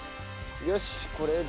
よしこれで。